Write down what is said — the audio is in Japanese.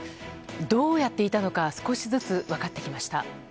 どうやっていたのか少しずつ分かってきました。